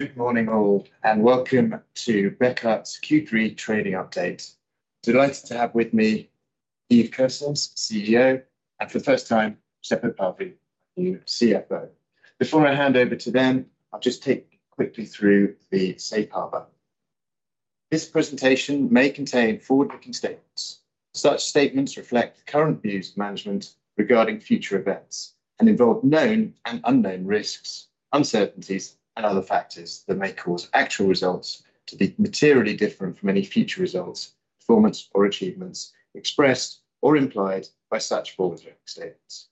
Good morning, all, and welcome to Bekaert's Q3 Trading Update. Delighted to have with me Yves Kerstens, CEO, and for the first time, Seppo Parvi, CFO. Before I hand over to them, I'll just take quickly through the Safe Harbour. This presentation may contain forward-looking statements. Such statements reflect current views of management regarding future events and involve known and unknown risks, uncertainties, and other factors that may cause actual results to be materially different from any future results, performance, or achievements expressed or implied by such forward-looking statements.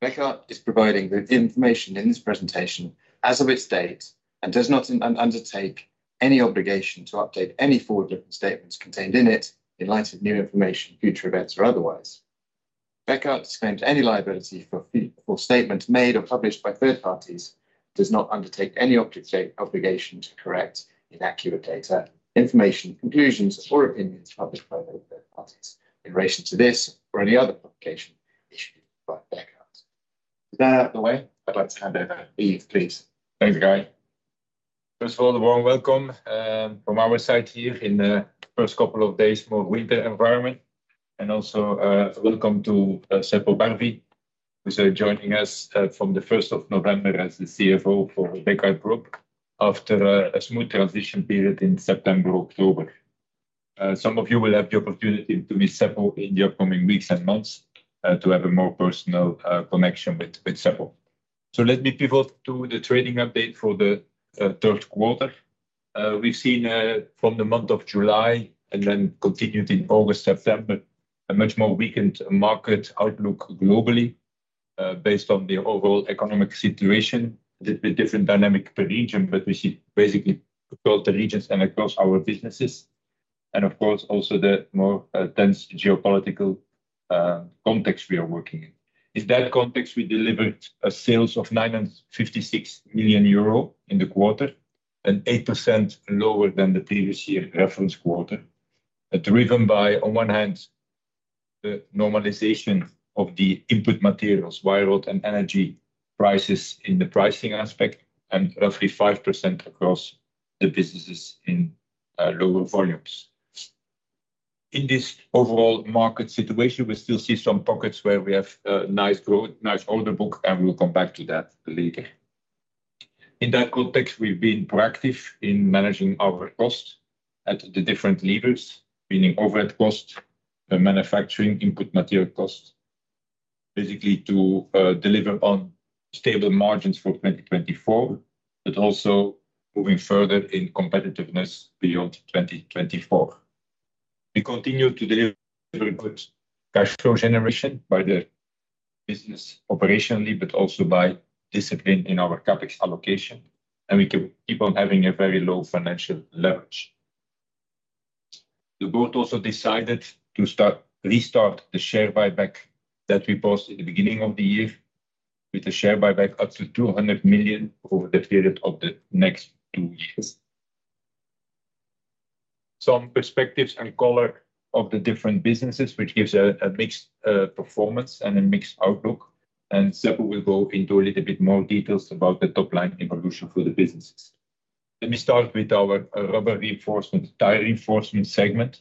Bekaert is providing the information in this presentation as of its date and does not undertake any obligation to update any forward-looking statements contained in it in light of new information, future events, or otherwise. Bekaert disclaims any liability for statements made or published by third parties and does not undertake any obligation to correct inaccurate data, information, conclusions, or opinions published by third parties in relation to this or any other publication issued by Bekaert. With that out of the way, I'd like to hand over to Yves, please. Thanks, Guy. First of all, a warm welcome from our side here in the first couple of days of a winter environment, and also a welcome to Seppo Parvi, who's joining us from the 1st of November as the CFO for Bekaert Group after a smooth transition period in September-October. Some of you will have the opportunity to meet Seppo in the upcoming weeks and months to have a more personal connection with Seppo. So let me pivot to the trading update for the third quarter. We've seen from the month of July and then continued in August-September a much more weakened market outlook globally based on the overall economic situation, a bit different dynamic per region, but we see basically across the regions and across our businesses, and of course, also the more dense geopolitical context we are working in. In that context, we delivered sales of 956 million euro in the quarter, 8% lower than the previous year reference quarter, driven by, on one hand, the normalization of the input materials, wire rod, and energy prices in the pricing aspect, and roughly 5% across the businesses in lower volumes. In this overall market situation, we still see some pockets where we have nice growth, nice order book, and we'll come back to that later. In that context, we've been proactive in managing our costs at the different levers, meaning overhead cost, manufacturing, input material cost, basically to deliver on stable margins for 2024, but also moving further in competitiveness beyond 2024. We continue to deliver good cash flow generation by the business operationally, but also by discipline in our CapEx allocation, and we can keep on having a very low financial leverage. The board also decided to restart the share buyback that we paused at the beginning of the year with a share buyback up to €200 million over the period of the next two years. Some perspectives and color on the different businesses, which give a mixed performance and a mixed outlook, and Seppo will go into a little bit more details about the top-line evolution for the businesses. Let me start with our rubber reinforcement, tire reinforcement segment,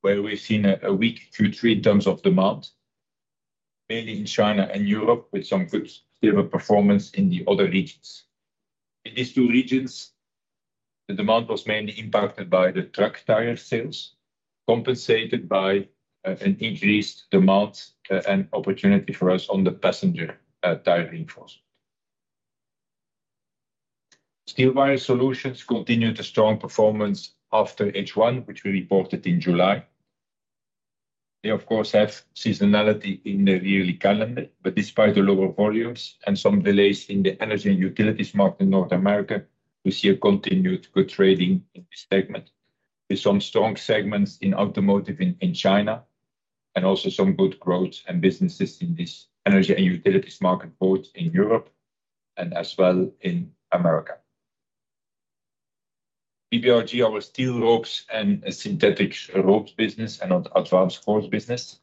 where we've seen a weak Q3 in terms of demand, mainly in China and Europe, with some good sales performance in the other regions. In these two regions, the demand was mainly impacted by the truck tire sales, compensated by an increased demand and opportunity for us on the passenger tire reinforcement. Steel Wire Solutions continued a strong performance after H1, which we reported in July. They, of course, have seasonality in the yearly calendar, but despite the lower volumes and some delays in the energy and utilities market in North America, we see a continued good trend in this segment, with some strong segments in automotive in China and also some good growth and businesses in this energy and utilities market both in Europe and as well in America. BBRG, our steel ropes and synthetic ropes business and advanced cord business,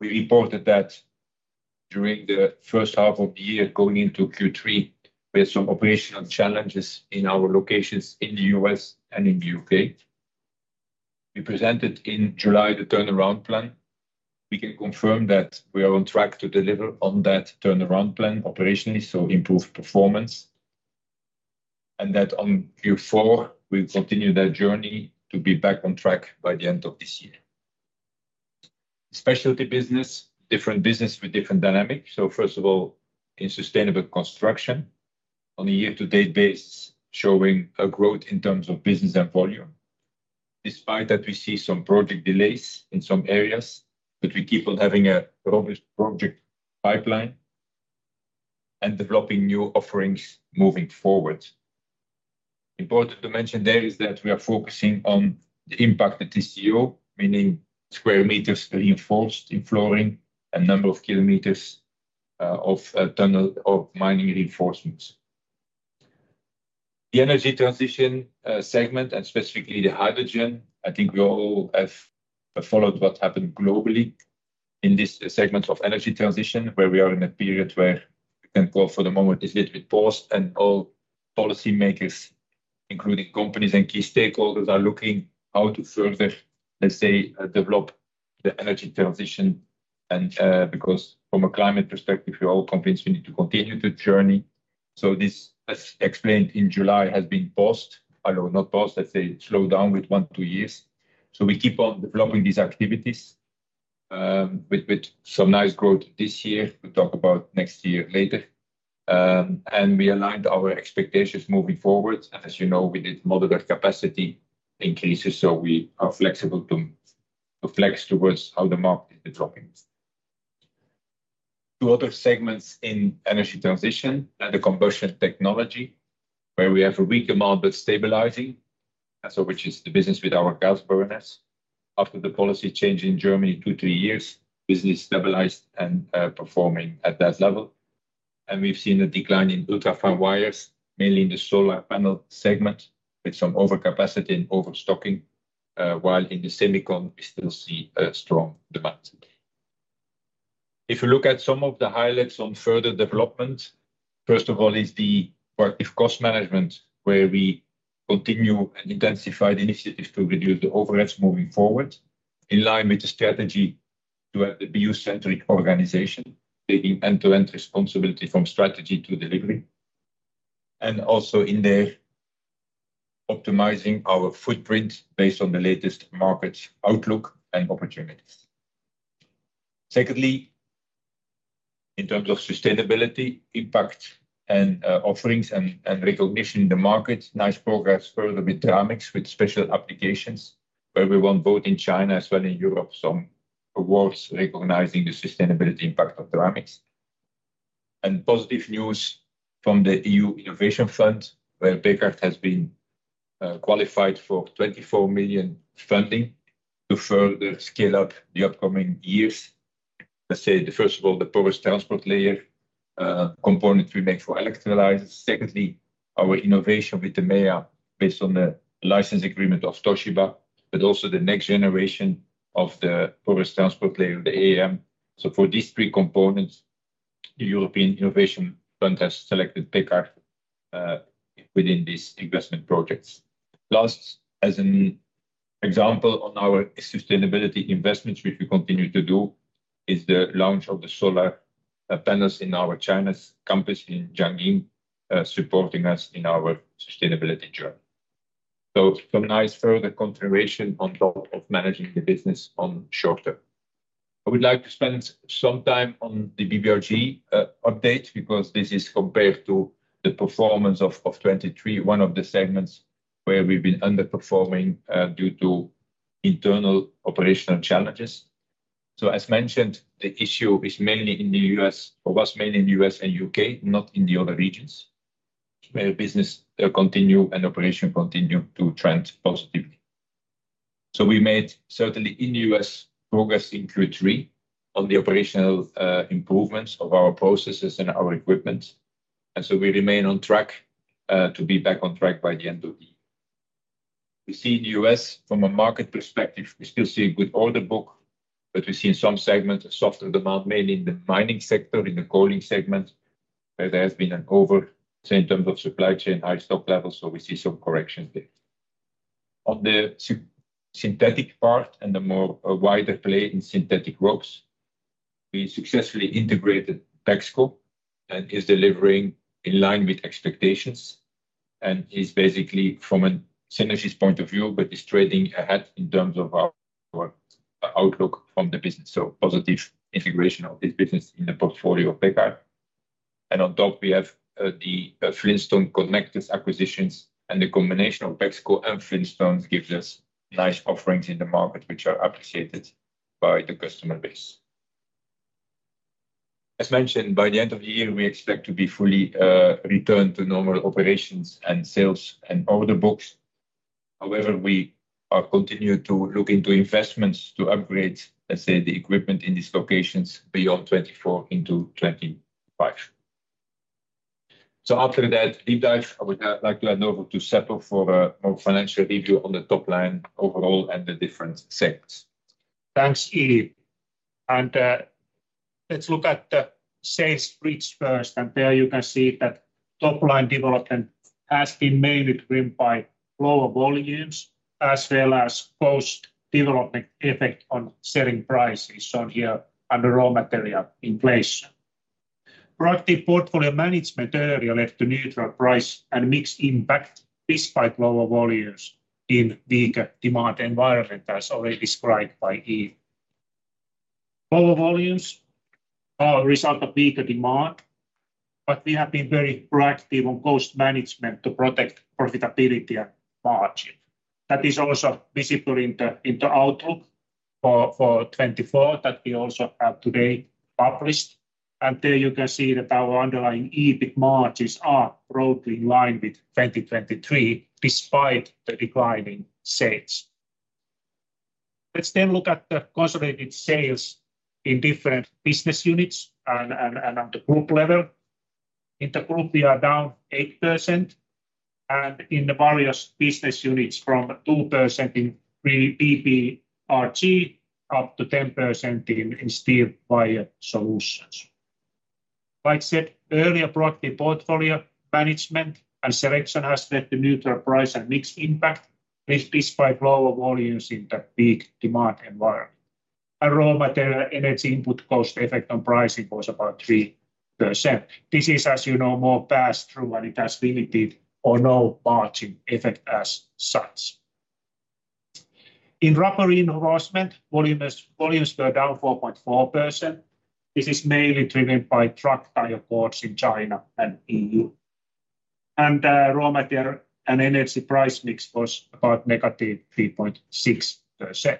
we reported that during the first half of the year going into Q3, we had some operational challenges in our locations in the U.S. and in the U.K. We presented in July the turnaround plan. We can confirm that we are on track to deliver on that turnaround plan operationally, so improved performance, and that on Q4, we'll continue that journey to be back on track by the end of this year. Specialty business, different business with different dynamics. So first of all, in sustainable construction, on a year-to-date basis, showing a growth in terms of business and volume, despite that we see some project delays in some areas, but we keep on having a robust project pipeline and developing new offerings moving forward. Important to mention there is that we are focusing on the impact of TCO, meaning square meters reinforced in flooring and number of kilometers of tunnel or mining reinforcements. The energy transition segment, and specifically the hydrogen, I think we all have followed what happened globally in this segment of energy transition, where we are in a period where we can call for the moment is a little bit paused, and all policymakers, including companies and key stakeholders, are looking how to further, let's say, develop the energy transition, because from a climate perspective, we're all convinced we need to continue the journey. So this, as explained in July, has been paused, although not paused, let's say slowed down with one or two years, so we keep on developing these activities with some nice growth this year. We'll talk about next year later, and we aligned our expectations moving forward. As you know, we did moderate capacity increases, so we are flexible to flex towards how the market is developing. Two other segments in energy transition, the combustion technology, where we have a weak demand but stabilizing, which is the business with our gas burners. After the policy change in Germany two or three years, business stabilized and performing at that level, and we've seen a decline in ultrafine wires, mainly in the solar panel segment, with some overcapacity and overstocking, while in the semiconductor, we still see a strong demand. If we look at some of the highlights on further development, first of all is the proactive cost management, where we continue and intensify the initiatives to reduce the overheads moving forward, in line with the strategy to have the BU-centric organization, taking end-to-end responsibility from strategy to delivery, and also in there optimizing our footprint based on the latest market outlook and opportunities. Secondly, in terms of sustainability, impact and offerings and recognition in the market, nice progress further with ceramics, with special applications, where we won both in China as well in Europe, some awards recognizing the sustainability impact of ceramics. And positive news from the EU Innovation Fund, where Bekaert has been qualified for 24 million funding to further scale up the upcoming years. Let's say, first of all, the porous transport layer component we make for electrolyzers. Secondly, our innovation with the MEA, based on the license agreement of Toshiba, but also the next generation of the porous transport layer, the AEM. So for these three components, the European Innovation Fund has selected Bekaert within these investment projects. Last, as an example on our sustainability investments, which we continue to do, is the launch of the solar panels in our China's campus in Jiangyin, supporting us in our sustainability journey. So some nice further continuation on top of managing the business on the short term. I would like to spend some time on the BBRG update because this is compared to the performance of 2023, one of the segments where we've been underperforming due to internal operational challenges. So as mentioned, the issue is mainly in the U.S., for us mainly in the U.S. and U.K., not in the other regions, where business continues and operations continue to trend positively. So we made certainly in the U.S. progress in Q3 on the operational improvements of our processes and our equipment. And so we remain on track to be back on track by the end of the year. We see in the U.S., from a market perspective, we still see a good order book, but we see in some segments a softer demand, mainly in the mining sector, in the coaling segment, where there has been an over, say, in terms of supply chain, high stock levels, so we see some corrections there. On the synthetic part and the more wider play in synthetic ropes, we successfully integrated BEXCO, and he's delivering in line with expectations, and he's basically, from a synergy point of view, but he's trading ahead in terms of our outlook from the business, so positive integration of this business in the portfolio of Bekaert. And on top, we have the Flintstone Connectors acquisition, and the combination of BEXCO and Flintstone gives us nice offerings in the market, which are appreciated by the customer base. As mentioned, by the end of the year, we expect to be fully returned to normal operations and sales and order books. However, we continue to look into investments to upgrade, let's say, the equipment in these locations beyond 2024 into 2025. So after that deep dive, I would like to hand over to Seppo for a more financial review on the top line overall and the different segments. Thanks, Yves, and let's look at the sales bridge first, and there you can see that top line development has been mainly driven by lower volumes as well as post-development effect on selling prices shown here under raw material inflation. Proactive portfolio management earlier led to neutral price and mixed impact despite lower volumes in weaker demand environment, as already described by Yves. Lower volumes are a result of weaker demand, but we have been very proactive on cost management to protect profitability and margin. That is also visible in the outlook for 2024 that we also have today published, and there you can see that our underlying EBIT margins are broadly in line with 2023 despite the declining sales. Let's then look at the consolidated sales in different business units and at the group level. In the group, we are down 8%, and in the various business units from 2% in BBRG up to 10% in Steelwire Solutions. Like said earlier, proactive portfolio management and selection has led to neutral price and mixed impact despite lower volumes in the weak demand environment, and raw material energy input cost effect on pricing was about 3%. This is, as you know, more pass-through, and it has limited or no margin effect as such. In Rubber Reinforcement, volumes were down 4.4%. This is mainly driven by truck tire cords in China and EU, and raw material and energy price mix was about negative 3.6%.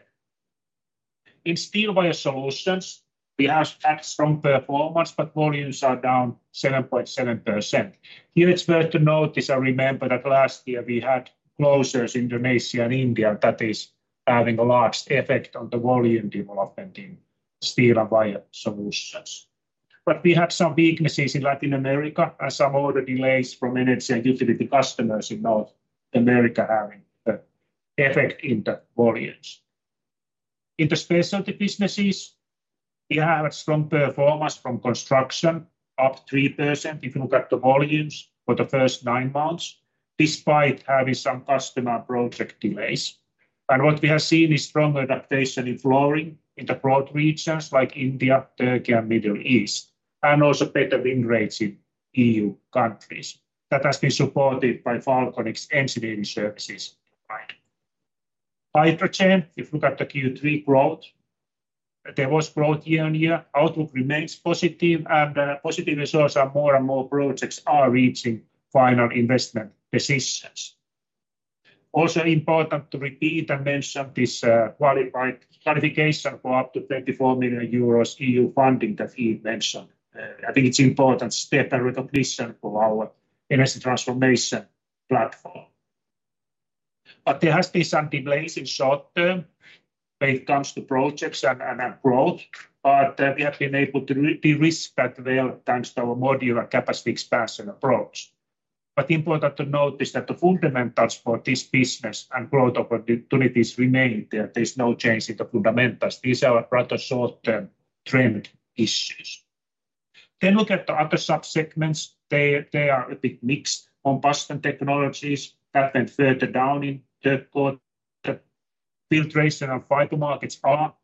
In Steelwire Solutions, we have had strong performance, but volumes are down 7.7%. Here, it's worth to note, remember that last year we had closures in Indonesia and India, that is, having a large effect on the volume development in Steelwire Solutions. But we had some weaknesses in Latin America and some order delays from energy and utility customers in North America having an effect in the volumes. In the specialty businesses, we have strong performance from construction up 3% if you look at the volumes for the first nine months, despite having some customer project delays. And what we have seen is strong adaptation in flooring in the broad regions like India, Turkey, and Middle East, and also better win rates in EU countries. That has been supported by FALCONIX Engineering services in the field. Hydrogen, if you look at the Q3 growth, there was growth year-on-year. Outlook remains positive, and positive results are more and more projects are reaching final investment decisions. Also important to repeat and mention this qualification for up to 24 million euros EU funding that Yves mentioned. I think it's important to set the context for our energy transformation platform, but there has been some delays in short term when it comes to projects and growth, but we have been able to de-risk that well thanks to our modular capacity expansion approach, but important to note is that the fundamentals for this business and growth opportunities remained there. There's no change in the fundamentals. These are rather short-term trend issues, then look at the other subsegments. They are a bit mixed on coating technologies that went further down in the quarter. Filtration and fiber markets are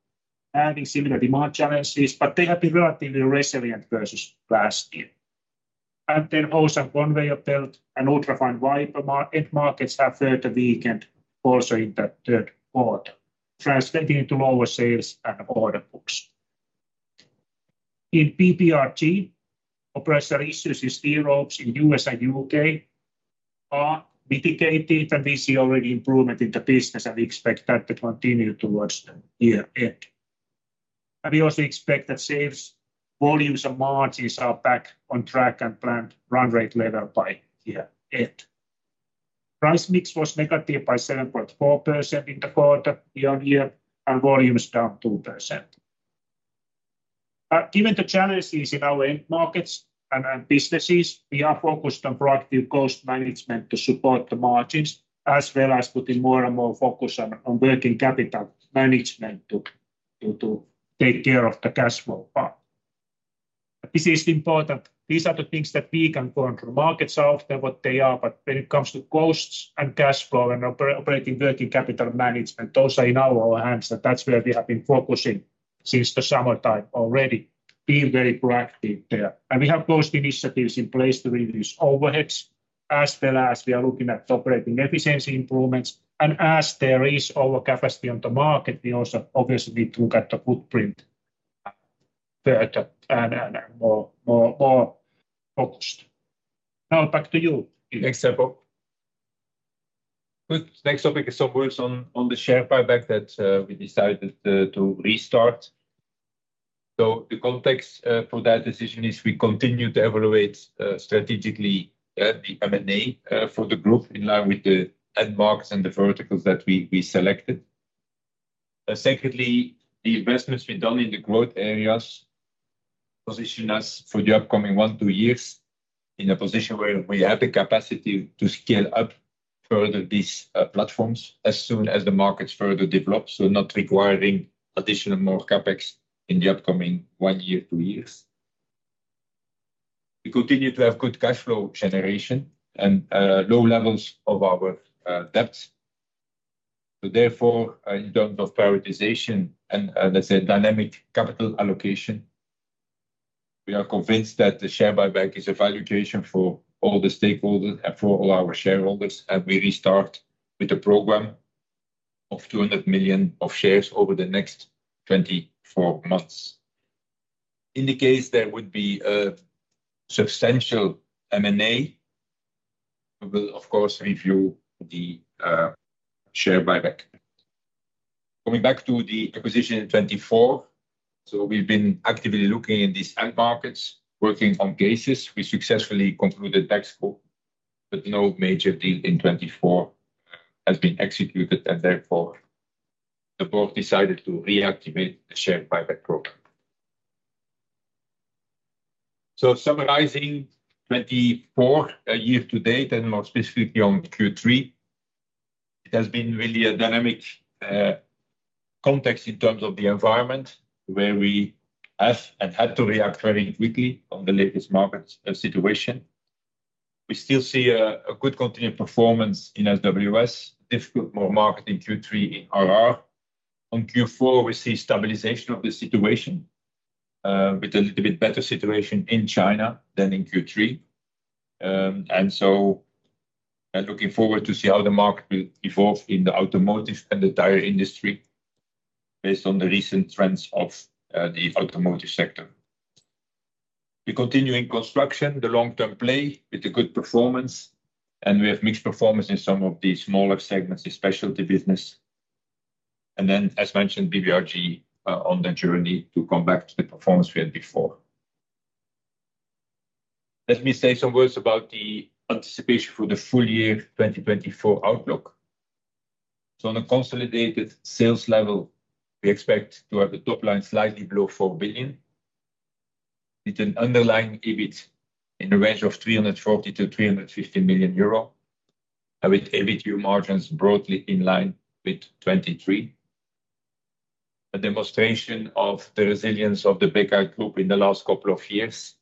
having similar demand challenges, but they have been relatively resilient versus last year, and then also conveyor belt and ultrafine wire end markets have further weakened also in the third quarter, translating into lower sales and order books. In BBRG, operational issues in steel ropes in the U.S. and U.K. are mitigated, and we see already improvement in the business, and we expect that to continue towards the year end, and we also expect that sales, volumes, and margins are back on track and planned run rate level by year end. Price mix was negative by 7.4% in the quarter year-on-year, and volumes down 2%. Given the challenges in our end markets and businesses, we are focused on proactive cost management to support the margins, as well as putting more and more focus on working capital management to take care of the cash flow part. This is important. These are the things that we can control. Markets are what they are, but when it comes to costs and cash flow and operating working capital management, those are in our hands, and that's where we have been focusing since the summertime already. Being very proactive there. We have cost initiatives in place to reduce overheads, as well as we are looking at operating efficiency improvements. As there is overcapacity on the market, we also obviously need to look at the footprint further and more focused. Now back to you, Yves. Thanks, Seppo. Good. Next topic is some words on the share buyback that we decided to restart, so the context for that decision is we continue to evaluate strategically the M&A for the group in line with the end markets and the verticals that we selected. Secondly, the investments we've done in the growth areas position us for the upcoming one or two years in a position where we have the capacity to scale up further these platforms as soon as the markets further develop, so not requiring additional more CapEx in the upcoming one year or two years. We continue to have good cash flow generation and low levels of our debts. So therefore, in terms of prioritization and, let's say, dynamic capital allocation, we are convinced that the share buyback is a valuation for all the stakeholders and for all our shareholders, and we restart with a program of €200 million of shares over the next 24 months. In the case there would be a substantial M&A, we will, of course, review the share buyback. Coming back to the acquisition in 2024, so we've been actively looking in these end markets, working on cases. We successfully concluded BEXCO, but no major deal in 2024 has been executed, and therefore the board decided to reactivate the share buyback program. So summarizing 2024 year to date and more specifically on Q3, it has been really a dynamic context in terms of the environment where we have and had to react very quickly on the latest market situation. We still see a good continued performance in SWS, difficult market in Q3 in RR. On Q4, we see stabilization of the situation with a little bit better situation in China than in Q3. Looking forward to see how the market will evolve in the automotive and the tire industry based on the recent trends of the automotive sector. We continue in construction, the long-term play with the good performance, and we have mixed performance in some of the smaller segments, especially the business. Then, as mentioned, BBRG on the journey to come back to the performance we had before. Let me say some words about the anticipation for the full year 2024 outlook. On a consolidated sales level, we expect to have the top line slightly below 4 billion. With an underlying EBIT in the range of €340-€350 million, with EBIT-U margins broadly in line with 2023. A demonstration of the resilience of the Bekaert Group in the last couple of years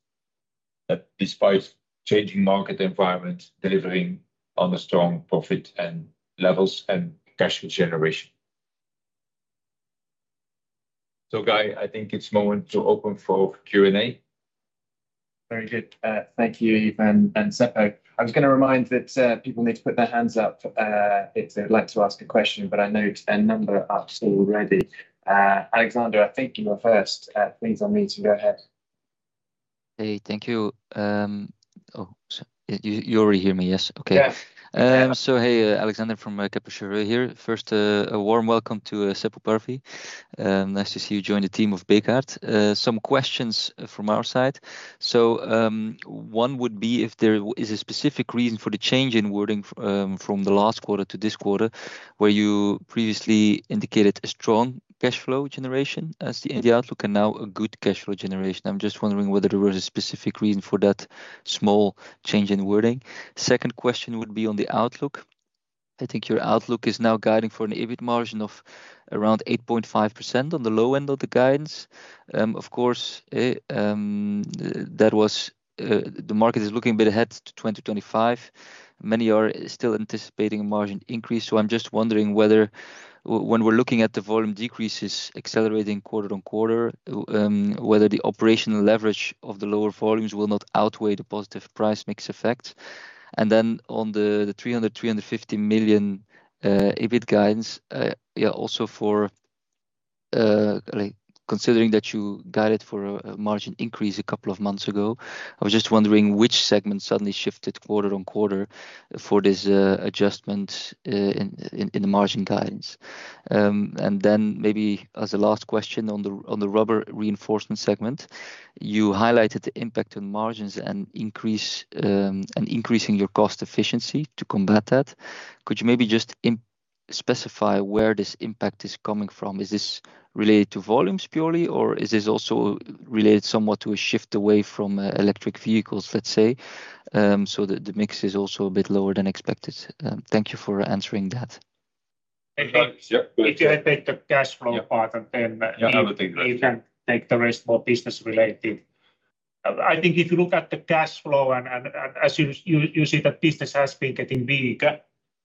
that, despite changing market environment, delivering on a strong profit levels and cash generation. So, Guy, I think it's the moment to open for Q&A. Very good. Thank you, Yves and Seppo. I was going to remind that people need to put their hands up if they would like to ask a question, but I note a number are already. Alexander, I think you were first. Please, go ahead. Hey, thank you. Oh, you already hear me, yes? Okay. So hey, Alexander from Kepler Cheuvreux here. First, a warm welcome to Seppo Parvi. Nice to see you join the team of Bekaert. Some questions from our side. So one would be if there is a specific reason for the change in wording from the last quarter to this quarter, where you previously indicated a strong cash flow generation as the outlook and now a good cash flow generation. I'm just wondering whether there was a specific reason for that small change in wording. Second question would be on the outlook. I think your outlook is now guiding for an EBIT margin of around 8.5% on the low end of the guidance. Of course, that was the market is looking a bit ahead to 2025. Many are still anticipating a margin increase. I'm just wondering whether, when we're looking at the volume decreases accelerating quarter on quarter, whether the operational leverage of the lower volumes will not outweigh the positive price mix effect. Then on the €300-€350 million EBIT guidance, yeah, also considering that you guided for a margin increase a couple of months ago, I was just wondering which segment suddenly shifted quarter on quarter for this adjustment in the margin guidance. Then maybe as a last question on the rubber reinforcement segment, you highlighted the impact on margins and increasing your cost efficiency to combat that. Could you maybe just specify where this impact is coming from? Is this related to volumes purely, or is this also related somewhat to a shift away from electric vehicles, let's say, so the mix is also a bit lower than expected? Thank you for answering that. Thank you. If you had taken the cash flow part, then you can take the rest more business-related. I think if you look at the cash flow and as you see that business has been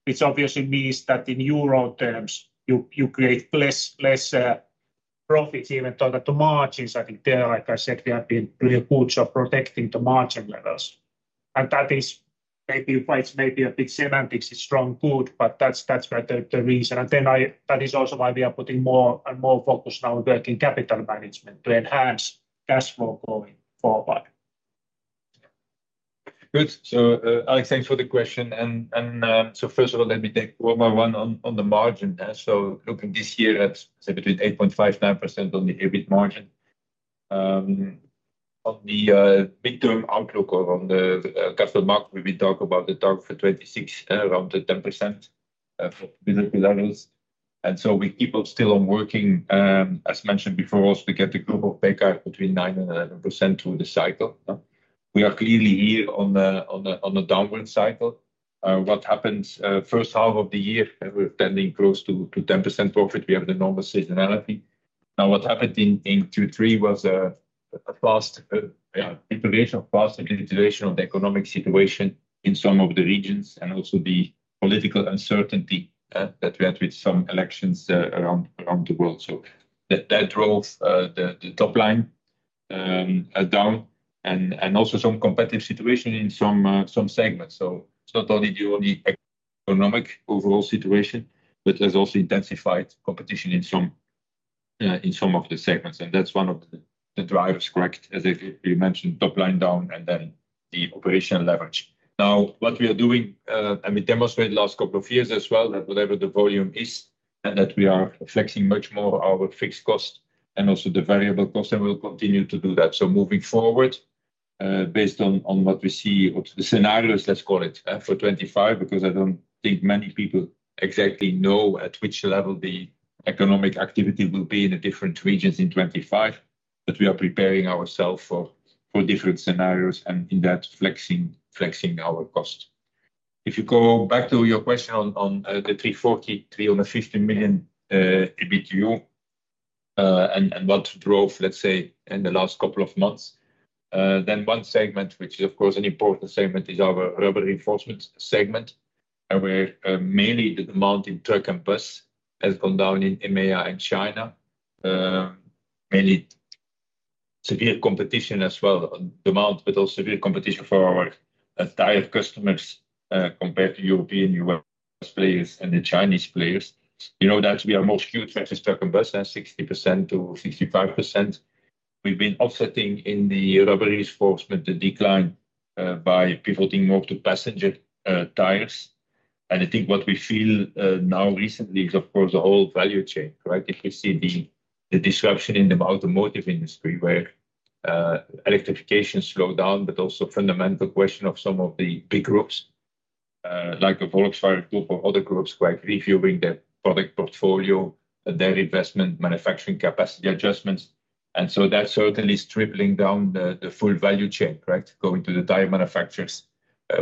getting weaker, it obviously means that in euro terms, you create less profits even to margins. I think there, like I said, we have been doing a good job protecting the margin levels. And that is maybe quite maybe a bit semantically strong good, but that's the reason. And then that is also why we are putting more and more focus now on working capital management to enhance cash flow going forward. Good. So Alex, thanks for the question. And so first of all, let me take one by one on the margin. So looking this year at, say, between 8.5% and 9% on the EBIT margin. On the medium-term outlook or on the capital market, we talk about the target for 2026, around the 10% for visibility levels. And so we are still working. As mentioned before, the EBITU of Bekaert is between 9% and 11% through the cycle. We are clearly here on a downward cycle. What happened first half of the year, we're tending close to 10% profit. We have the normal seasonality. Now what happened in Q3 was a fast deterioration of the economic situation in some of the regions and also the political uncertainty that we had with some elections around the world. So that drove the top line down and also some competitive situation in some segments. So it's not only the economic overall situation, but there's also intensified competition in some of the segments. And that's one of the drivers, correct, as you mentioned, top line down and then the operational leverage. Now what we are doing, and we demonstrated last couple of years as well, that whatever the volume is and that we are flexing much more our fixed cost and also the variable cost, and we'll continue to do that. So moving forward, based on what we see, the scenarios, let's call it for 2025, because I don't think many people exactly know at which level the economic activity will be in the different regions in 2025, but we are preparing ourselves for different scenarios and in that flexing our cost. If you go back to your question on the 350 million EBITU and what drove, let's say, in the last couple of months, then one segment, which is of course an important segment, is our Rubber Reinforcement segment. Where mainly the demand in truck and bus has gone down in EMEA and China, mainly severe competition as well, demand, but also severe competition for our tire customers compared to European, U.S. players and the Chinese players. You know that we are most huge versus truck and bus, 60%-65%. We've been offsetting in the rubber reinforcement the decline by pivoting more to passenger tires. I think what we feel now recently is, of course, the whole value chain, correct? If we see the disruption in the automotive industry where electrification slowed down, but also fundamental question of some of the big groups like the Volkswagen Group or other groups, correct, reviewing their product portfolio and their investment manufacturing capacity adjustments. And so that certainly is dribbling down the full value chain, correct, going to the tire manufacturers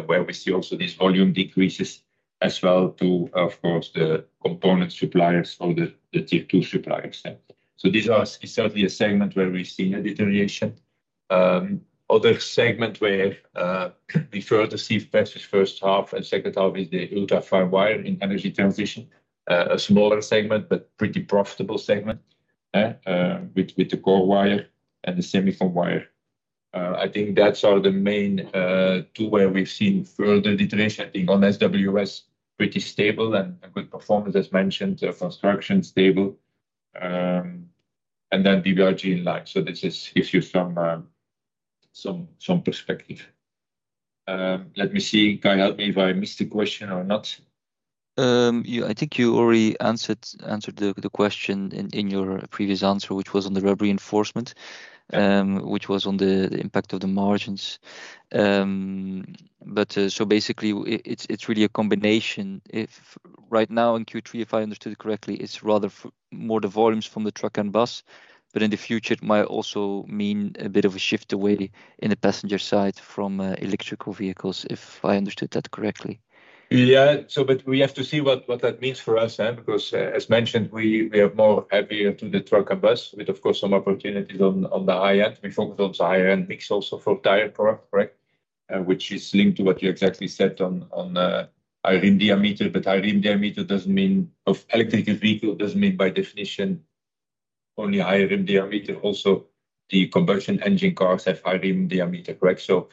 where we see also these volume decreases as well to, of course, the component suppliers or the tier two suppliers. So this is certainly a segment where we've seen a deterioration. Other segment where we further see versus first half and second half is the ultra-fine wire in energy transition, a smaller segment, but pretty profitable segment with the core wire and the semi-form wire. I think that's the main two where we've seen further deterioration. I think on SWS, pretty stable and good performance, as mentioned, construction stable. And then BBRG in line. So this gives you some perspective. Let me see. Guy, help me if I missed the question or not. I think you already answered the question in your previous answer, which was on the rubber reinforcement, which was on the impact of the margins. But so basically, it's really a combination. Right now in Q3, if I understood it correctly, it's rather more the volumes from the truck and bus, but in the future, it might also mean a bit of a shift away in the passenger side from electric vehicles, if I understood that correctly. Yeah, so but we have to see what that means for us, because as mentioned, we are more heavier to the truck and bus with, of course, some opportunities on the high end. We focus on the higher-end mix also for tire product, correct, which is linked to what you exactly said on high rim diameter. But high rim diameter doesn't mean of electric vehicle doesn't mean by definition only high rim diameter. Also, the combustion engine cars have high rim diameter, correct? So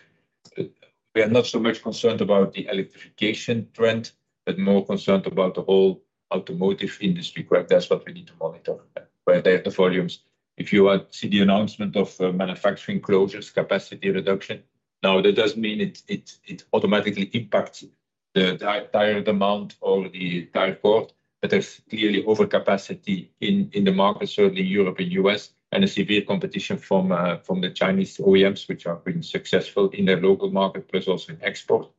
we are not so much concerned about the electrification trend, but more concerned about the whole automotive industry, correct? That's what we need to monitor where the volumes. If you see the announcement of manufacturing closures, capacity reduction, now that doesn't mean it automatically impacts the tire demand or the tire cord, but there's clearly overcapacity in the market, certainly Europe and U.S., and a severe competition from the Chinese OEMs, which are being successful in their local market, plus also in export.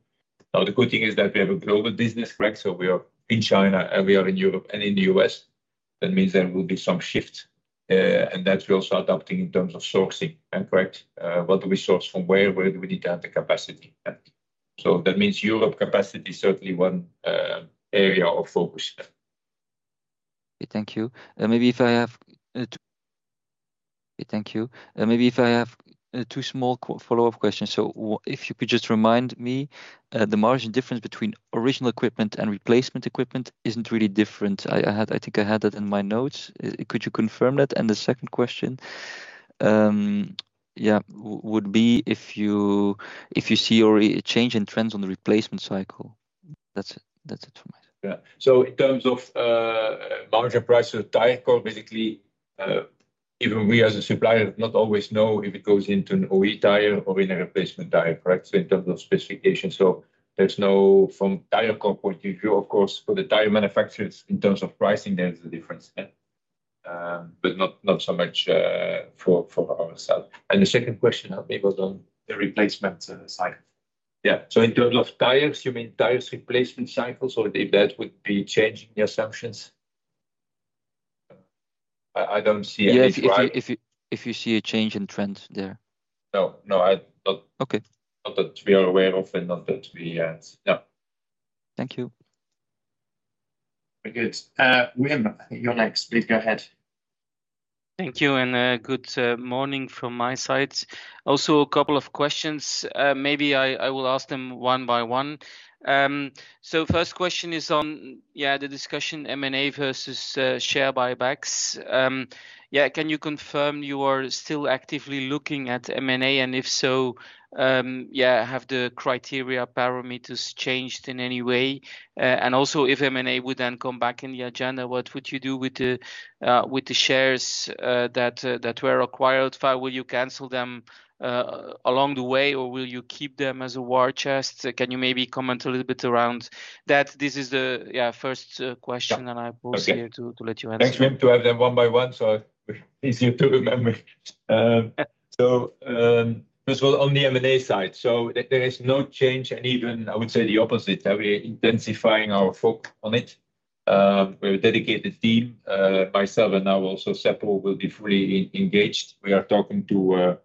Now, the good thing is that we have a global business, correct? So we are in China and we are in Europe and in the U.S. That means there will be some shift, and that's what we're also adopting in terms of sourcing, correct? What do we source from where? Where do we need to have the capacity? So that means Europe capacity is certainly one area of focus. Thank you. May I have two small follow-up questions? So if you could just remind me, the margin difference between original equipment and replacement equipment isn't really different. I think I had that in my notes. Could you confirm that? And the second question, yeah, would be if you see already a change in trends on the replacement cycle. That's it from me. Yeah. So in terms of margin price of tire cord, basically, even we as a supplier not always know if it goes into an OE tire or in a replacement tire, correct? So in terms of specification, so there's no from tire cord point of view, of course, for the tire manufacturers in terms of pricing, there's a difference, but not so much for ourselves. And the second question maybe was on the replacement cycle. Yeah. So in terms of tires, you mean tires replacement cycles or that would be changing the assumptions? I don't see anything, right? Yeah, if you see a change in trends there. No, no, not that we are aware of and not that we had. No. Thank you. Very good. Wim, you're next. Please go ahead. Thank you, and good morning from my side. Also a couple of questions. Maybe I will ask them one by one. First question is on, yeah, the discussion M&A versus share buybacks. Yeah, can you confirm you are still actively looking at M&A? And if so, yeah, have the criteria parameters changed in any way? And also if M&A would then come back in the agenda, what would you do with the shares that were acquired? Will you cancel them along the way or will you keep them as a war chest? Can you maybe comment a little bit around that? This is the first question and I'm also here to let you answer. Thanks, Wim, to have them one by one so it's easier to remember. So first of all, on the M&A side, so there is no change and even I would say the opposite. We are intensifying our focus on it. We have a dedicated team. Myself and now also Seppo will be fully engaged. We are talking to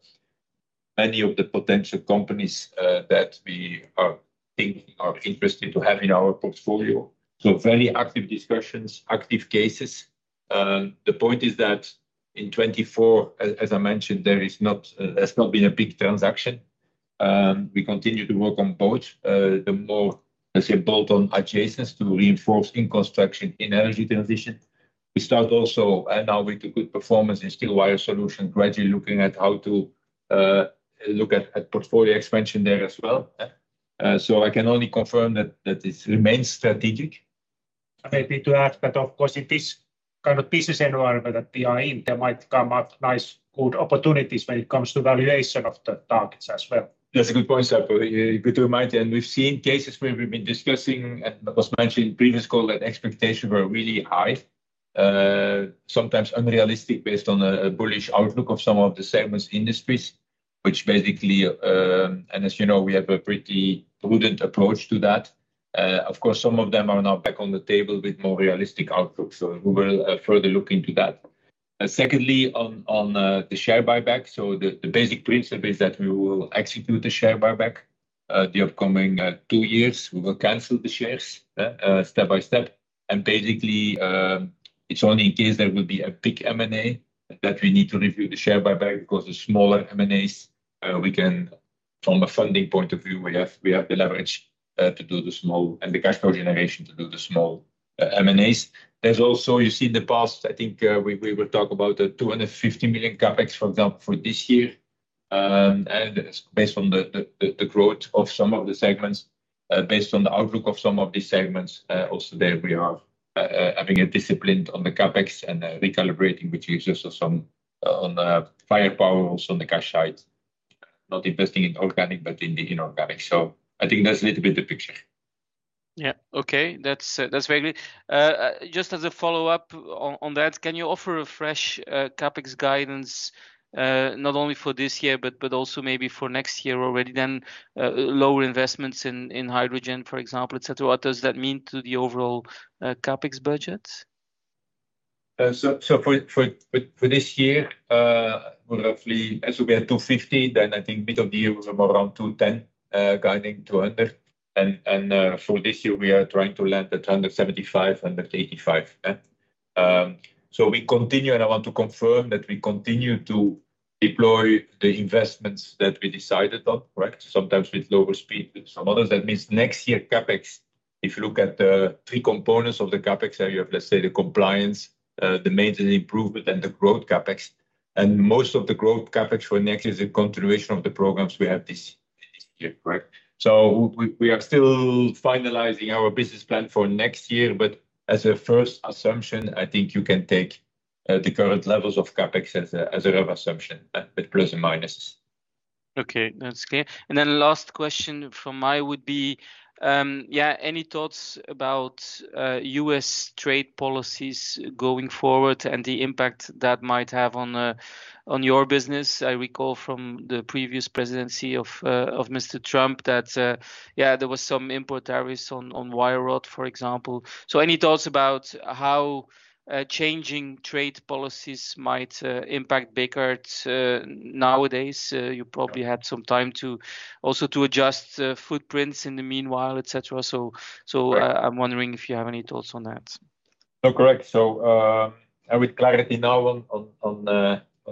many of the potential companies that we are thinking are interested to have in our portfolio. So very active discussions, active cases. The point is that in 2024, as I mentioned, there has not been a big transaction. We continue to work on both, the more let's say bolt-on adjacents to reinforce in construction, in energy transition. We start also and now with the good performance in Steelwire Solutions, gradually looking at how to look at portfolio expansion there as well. So I can only confirm that this remains strategic. I'm happy to add, but of course it is kind of pieces in a row, but at BBRG, there might come up nice good opportunities when it comes to valuation of the targets as well. That's a good point, Seppo. Good to remind you. And we've seen cases where we've been discussing and was mentioned in previous call that expectations were really high, sometimes unrealistic based on a bullish outlook of some of the segments industries, which basically, and as you know, we have a pretty prudent approach to that. Of course, some of them are now back on the table with more realistic outlooks. So we will further look into that. Secondly, on the share buyback, so the basic principle is that we will execute the share buyback. The upcoming two years, we will cancel the shares step by step. Basically, it's only in case there will be a big M&A that we need to review the share buyback because the smaller M&As, we can from a funding point of view, we have the leverage to do the small and the cash flow generation to do the small M&As. There's also, you see in the past, I think we were talking about the 250 million CapEx, for example, for this year. Based on the growth of some of the segments, based on the outlook of some of these segments, also there we are having a discipline on the CapEx and recalibrating, which gives us some on the firepower, also on the cash side, not investing in organic, but in the inorganic. I think that's a little bit the picture. Yeah. Okay. That's very good. Just as a follow-up on that, can you offer a fresh CapEx guidance not only for this year, but also maybe for next year already then, lower investments in hydrogen, for example, etc.? What does that mean to the overall CapEx budget? For this year, roughly as we were at 250, then I think mid of the year we were more around 210, guiding 200. And for this year, we are trying to land at 175-185. We continue, and I want to confirm that we continue to deploy the investments that we decided on, correct? Sometimes with lower speed, some others. That means next year CapEx, if you look at the three components of the CapEx area, let's say the compliance, the maintenance improvement, and the growth CapEx. And most of the growth CapEx for next is a continuation of the programs we have this year, correct? We are still finalizing our business plan for next year, but as a first assumption, I think you can take the current levels of CapEx as a rough assumption, but plus and minus. Okay. That's clear. And then last question from me would be, yeah, any thoughts about U.S. trade policies going forward and the impact that might have on your business? I recall from the previous presidency of Mr. Trump that, yeah, there was some import tariffs on wire rod, for example. So any thoughts about how changing trade policies might impact Bekaert nowadays? You probably had some time to also adjust footprint in the meanwhile, etc. So I'm wondering if you have any thoughts on that. No, correct. So with clarity now on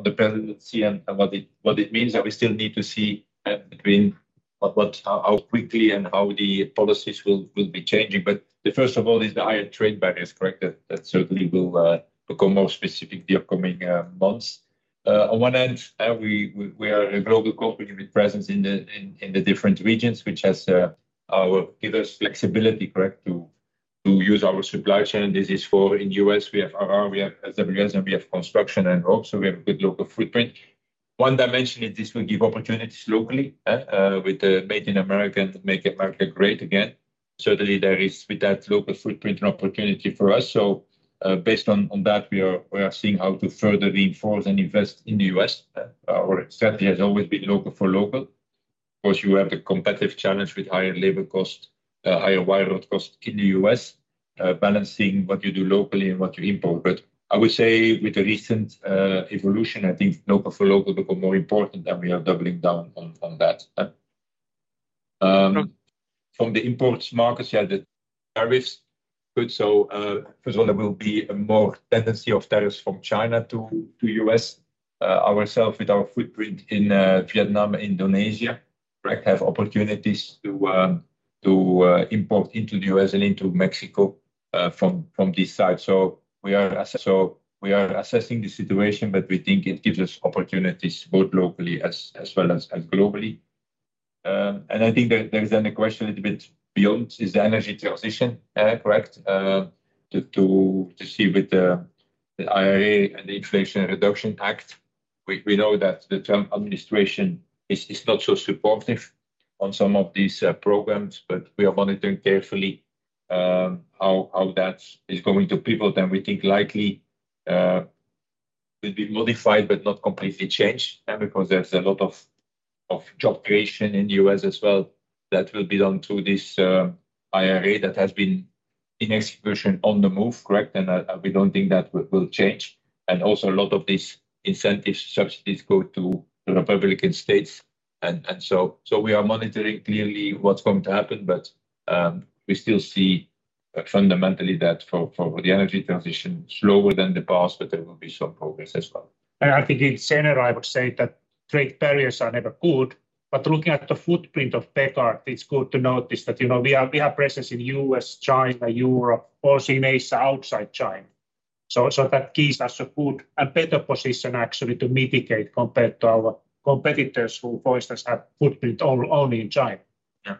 the presidency and what it means, we still need to see between how quickly and how the policies will be changing. But the first of all is the higher trade barriers, correct? That certainly will become more specific the upcoming months. On one end, we are a global company with presence in the different regions, which has given us flexibility, correct, to use our supply chain. This is for in the U.S., we have RR, we have SWS, and we have construction and rope. So we have a good local footprint. One dimension is this will give opportunities locally with the Made in America and Make America Great Again. Certainly, there is with that local footprint an opportunity for us. So based on that, we are seeing how to further reinforce and invest in the U.S. Our strategy has always been local for local. Of course, you have the competitive challenge with higher labor cost, higher wire rod cost in the U.S., balancing what you do locally and what you import. But I would say with the recent evolution, I think local for local becomes more important and we are doubling down on that. From the import markets, yeah, the tariffs could. So first of all, there will be a more tendency of tariffs from China to U.S. Ourselves, with our footprint in Vietnam and Indonesia, have opportunities to import into the U.S. and into Mexico from this side. So we are assessing the situation, but we think it gives us opportunities both locally as well as globally. And I think there's then a question a little bit beyond is the energy transition, correct? To see with the IRA and the Inflation Reduction Act, we know that the Trump administration is not so supportive on some of these programs, but we are monitoring carefully how that is going to pivot, and we think likely will be modified, but not completely changed because there's a lot of job creation in the U.S. as well that will be done through this IRA that has been in execution on the move, correct? We don't think that will change, and also a lot of these incentive subsidies go to Republican states, and so we are monitoring clearly what's going to happen, but we still see fundamentally that for the energy transition slower than the past, but there will be some progress as well. I think in general, I would say that trade barriers are never good. But looking at the footprint of Bekaert, it's good to notice that we have presence in U.S., China, Europe, also in Asia outside China. So that gives us a good and better position actually to mitigate compared to our competitors who for instance have footprint only in China. Yeah.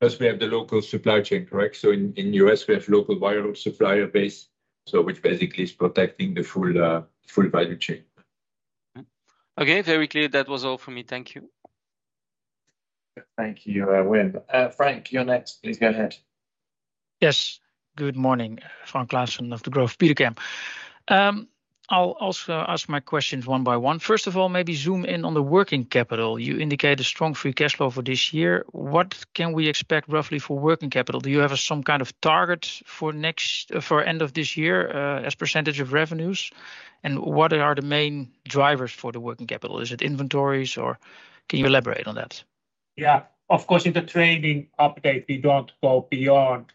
As we have the local supply chain, correct? So in the U.S., we have local wire rod supplier base, which basically is protecting the full value chain. Okay. Very clear. That was all for me. Thank you. Thank you, Wim. Frank, you're next. Please go ahead. Yes. Good morning. Frank Claassen of Degroof Petercam. I'll also ask my questions one by one. First of all, maybe zoom in on the working capital. You indicate a strong free cash flow for this year. What can we expect roughly for working capital? Do you have some kind of target for end of this year as percentage of revenues? And what are the main drivers for the working capital? Is it inventories or can you elaborate on that? Yeah. Of course, in the trading update, we don't go beyond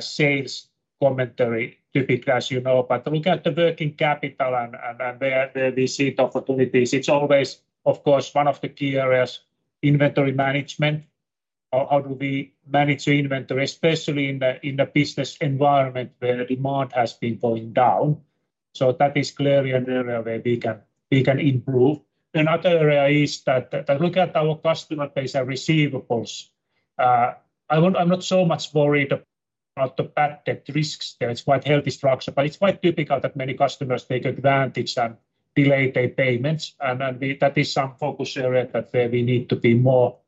sales commentary, typically as you know. But look at the working capital and where we see the opportunities. It's always, of course, one of the key areas, inventory management. How do we manage the inventory, especially in the business environment where demand has been going down? So that is clearly an area where we can improve. Another area is that look at our customer base and receivables. I'm not so much worried about the payment risks. It's a quite healthy structure, but it's quite typical that many customers take advantage and delay their payments. And that is a focus area that we need to be more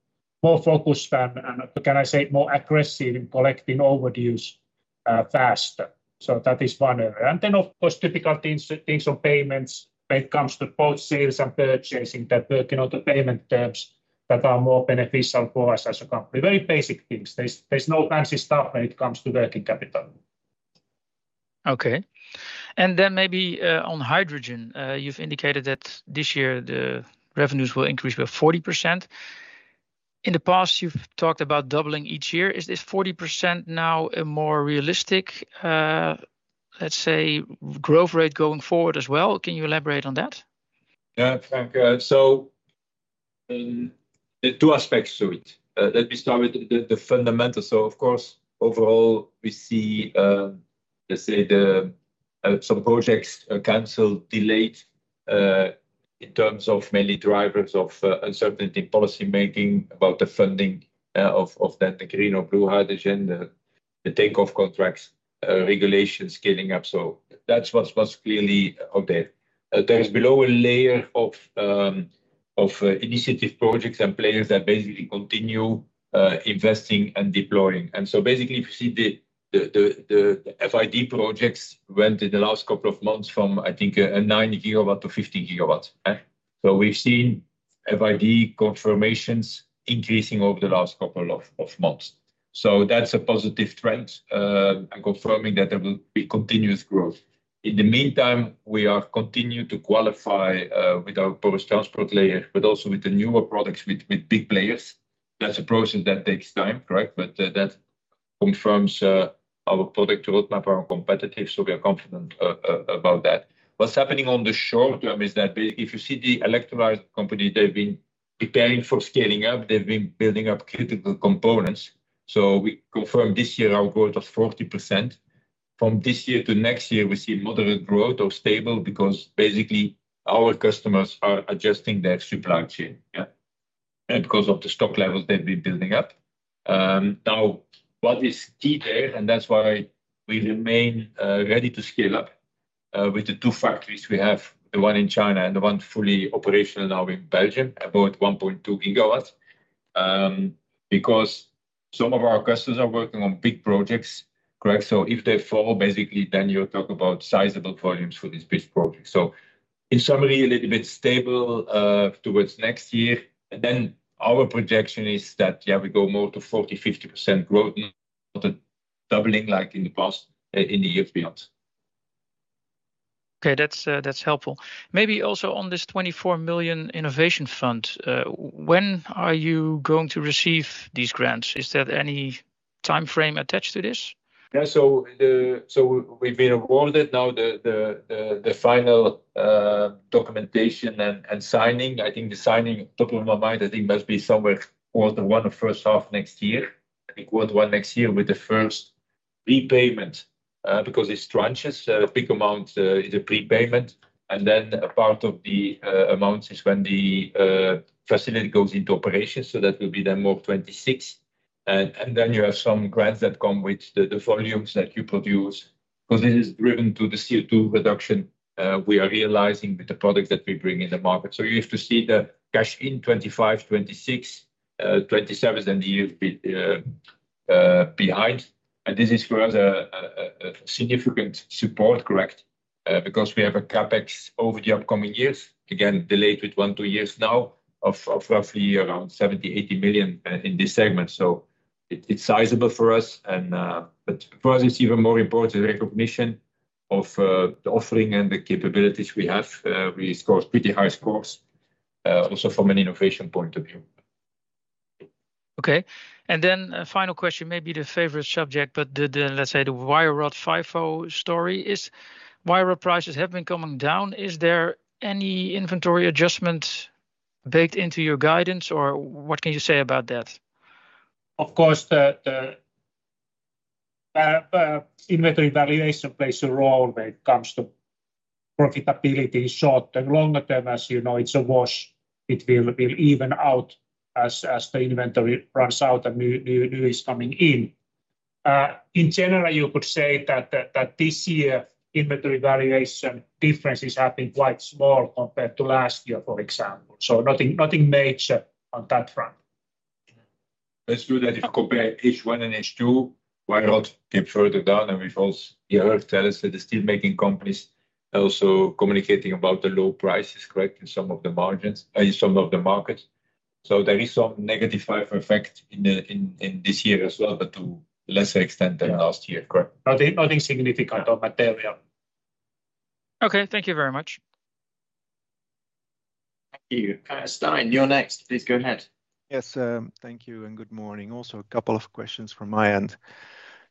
focused and, can I say, more aggressive in collecting overdues faster. So that is one area. And then, of course, typical things on payments when it comes to both sales and purchasing, that working on the payment terms that are more beneficial for us as a company. Very basic things. There's no fancy stuff when it comes to working capital. Okay. And then maybe on hydrogen, you've indicated that this year the revenues will increase by 40%. In the past, you've talked about doubling each year. Is this 40% now a more realistic, let's say, growth rate going forward as well? Can you elaborate on that? Yeah, Frank. So two aspects to it. Let me start with the fundamentals. So, of course, overall, we see, let's say, some projects canceled, delayed in terms of mainly drivers of uncertainty in policymaking about the funding of that green or blue hydrogen, the takeoff contracts, regulations scaling up. So that's what's clearly out there. There's below a layer of initiative projects and players that basically continue investing and deploying. And so basically, if you see the FID projects went in the last couple of months from, I think, nine gigawatts to 15 gigawatts. So we've seen FID confirmations increasing over the last couple of months. So that's a positive trend and confirming that there will be continuous growth. In the meantime, we are continuing to qualify with our porous transport layer, but also with the newer products with big players. That's a process that takes time, correct? But that confirms our product roadmap, our competitive. So we are confident about that. What's happening on the short term is that if you see the electrolyzer companies, they've been preparing for scaling up. They've been building up critical components. So we confirm this year our growth of 40%. From this year to next year, we see moderate growth or stable because basically our customers are adjusting their supply chain, yeah, because of the stock levels they've been building up. Now, what is key there, and that's why we remain ready to scale up with the two factories we have, the one in China and the one fully operational now in Belgium, about 1.2 gigawatts, because some of our customers are working on big projects, correct? So if they fall, basically, then you're talking about sizable volumes for this big project. So in summary, a little bit stable towards next year. And then our projection is that, yeah, we go more to 40%-50% growth, not doubling like in the past in the years beyond. Okay. That's helpful. Maybe also on this 24 million innovation fund, when are you going to receive these grants? Is there any timeframe attached to this? Yeah. So we've been awarded now the final documentation and signing. I think the signing, top of my mind, I think must be somewhere quarter one or first half next year. I think quarter one next year with the first repayment because it's tranches, a big amount is a prepayment. And then a part of the amounts is when the facility goes into operation. So that will be then more 2026. And then you have some grants that come with the volumes that you produce because this is driven to the CO2 reduction we are realizing with the products that we bring in the market. So you have to see the cash in 2025, 2026, 2027, and the years behind. And this is for us a significant support, correct, because we have a CapEx over the upcoming years, again delayed with one, two years now, of roughly around 70-80 million in this segment. So it's sizable for us. But for us, it's even more important recognition of the offering and the capabilities we have. We score pretty high scores also from an innovation point of view. Okay. And then final question, maybe the favorite subject, but let's say the wire rod FIFO story is wire rod prices have been coming down. Is there any inventory adjustment baked into your guidance, or what can you say about that? Of course, the inventory valuation plays a role when it comes to profitability, short and long term. As you know, it's a wash. It will even out as the inventory runs out and new is coming in. In general, you could say that this year inventory valuation difference is happening quite small compared to last year, for example. So nothing major on that front. That's good that if you compare H1 and H2, wire rod came further down. And we've also heard that tells us that the steelmaking companies are also communicating about the low prices, correct, in some of the margins, in some of the markets. So there is some negative FIFO effect in this year as well, but to a lesser extent than last year, correct? Nothing significant on material. Okay. Thank you very much. Thank you. Stijn, you're next. Please go ahead. Yes. Thank you. And good morning. Also, a couple of questions from my end.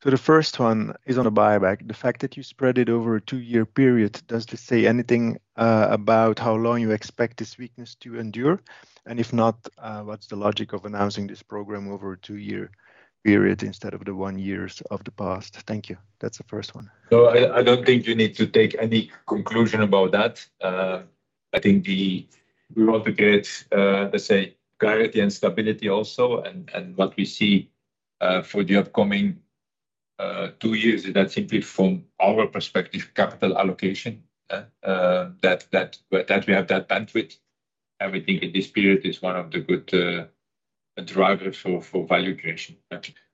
So the first one is on a buyback. The fact that you spread it over a two-year period, does this say anything about how long you expect this weakness to endure? And if not, what's the logic of announcing this program over a two-year period instead of the one year of the past? Thank you. That's the first one. So I don't think you need to take any conclusion about that. I think we want to get, let's say, clarity and stability also. And what we see for the upcoming two years is that simply from our perspective, capital allocation, that we have that bandwidth. Everything in this period is one of the good drivers for value creation.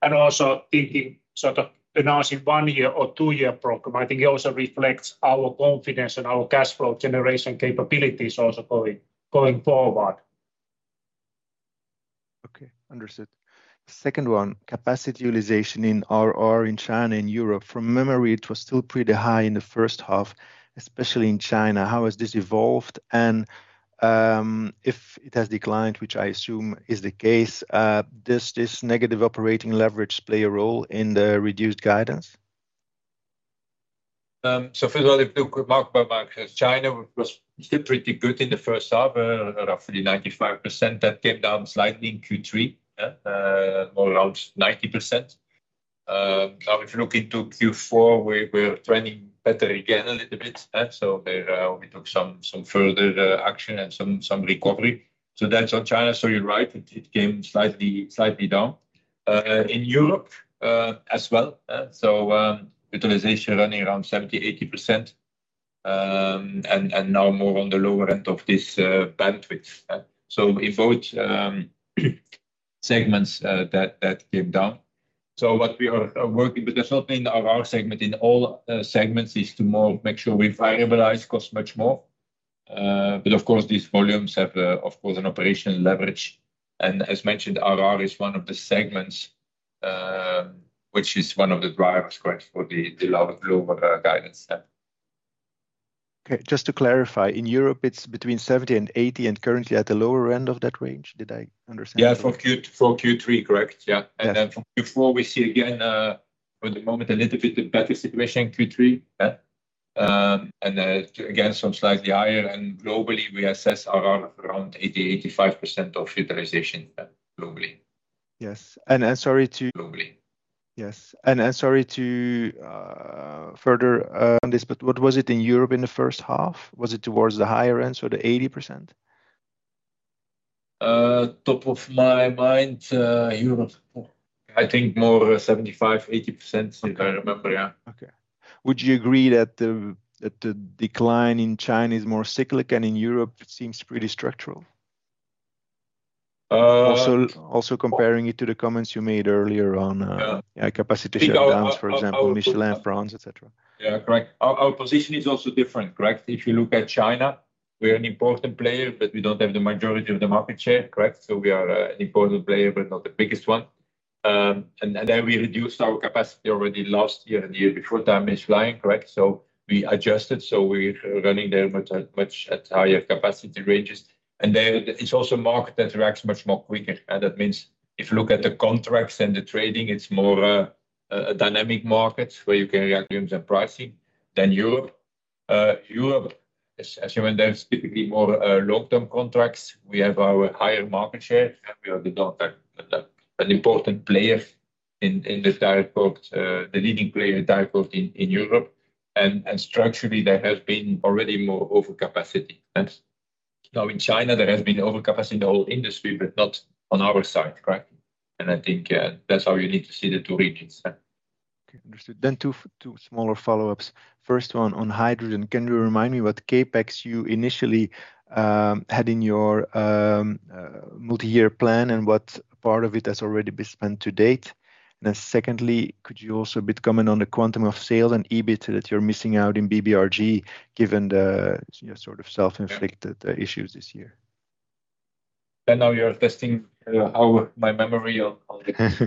Also, thinking sort of announcing one-year or two-year program, I think it also reflects our confidence and our cash flow generation capabilities also going forward. Okay. Understood. Second one, capacity utilization in RR in China and Europe. From memory, it was still pretty high in the first half, especially in China. How has this evolved? And if it has declined, which I assume is the case, does this negative operating leverage play a role in the reduced guidance? So first of all, if you market by market, China was still pretty good in the first half, roughly 95%. That came down slightly in Q3, more around 90%. Now, if you look into Q4, we're trending better again a little bit. So we took some further action and some recovery. So that's on China. So you're right. It came slightly down. In Europe as well, so utilization running around 70%-80%, and now more on the lower end of this bandwidth. So in both segments, that came down. So what we are working with, there's not only in our RR segment, in all segments is to more make sure we variabilize costs much more. But of course, these volumes have, of course, an operational leverage. And as mentioned, RR is one of the segments, which is one of the drivers, correct, for the lower full-year guidance. Okay. Just to clarify, in Europe, it's between 70% and 80% and currently at the lower end of that range, did I understand? Yeah, for Q3, correct. Yeah. And then for Q4, we see again, for the moment, a little bit better situation in Q3. And again, some slightly higher. And globally, we assess RR around 80%-85% of utilization globally. Yes. And sorry to. Globally. Yes. And sorry to further on this, but what was it in Europe in the first half? Was it towards the higher end, so the 80%? Top of my mind, Europe. I think more 75%-80%, if I remember, yeah. Okay. Would you agree that the decline in China is more cyclic and in Europe seems pretty structural? Also comparing it to the comments you made earlier on capacity shutdowns, for example, Michelin France, etc. Yeah, correct. Our position is also different, correct? If you look at China, we're an important player, but we don't have the majority of the market share, correct? So we are an important player, but not the biggest one. And then we reduced our capacity already last year and the year before time is flying, correct? So we adjusted. So we're running there much at higher capacity ranges. And then it's also a market that reacts much more quicker. That means if you look at the contracts and the trading, it's more a dynamic market where you can volumes and pricing than Europe. Europe, as you know, there's typically more long-term contracts. We have our higher market share. We are an important player in the direct, the leading player direct in Europe. And structurally, there has been already more overcapacity. Now, in China, there has been overcapacity in the whole industry, but not on our side, correct? And I think that's how you need to see the two regions. Okay. Understood. Then two smaller follow-ups. First one on hydrogen. Can you remind me what CapEx you initially had in your multi-year plan and what part of it has already been spent to date? And then secondly, could you also comment on the quantum of sales and EBIT that you're missing out in BBRG given the sort of self-inflicted issues this year? Now you're testing how my memory on hydrogen is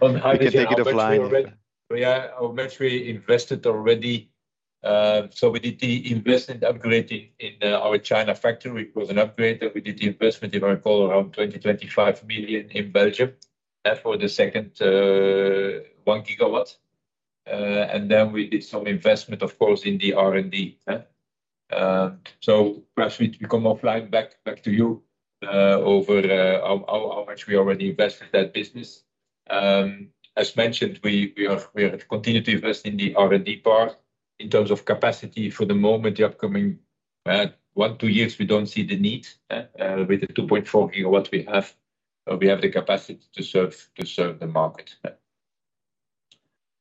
already. You can take it offline. Yeah. Our military invested already. So we did the investment upgrade in our China factory. It was an upgrade. And we did the investment, if I recall, around 20-25 million in Belgium for the second one gigawatt. And then we did some investment, of course, in the R&D. So perhaps we come offline back to you over how much we already invested that business. As mentioned, we continue to invest in the R&D part in terms of capacity. For the moment, the upcoming one, two years, we don't see the need with the 2.4 gigawatts we have. We have the capacity to serve the market.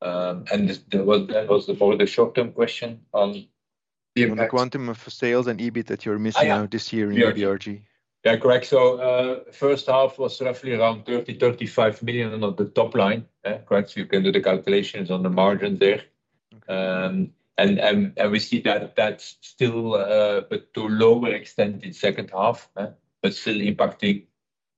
And that was more of the short-term question on. Yeah. The quantum of sales and EBIT that you're missing out this year in BBRG. Yeah, correct. So first half was roughly around 30-35 million on the top line, correct? You can do the calculations on the margin there. And we see that that's still a bit to a lower extent in second half, but still